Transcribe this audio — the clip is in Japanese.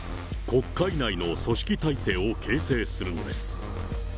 国会内の組織体制を形成するのです。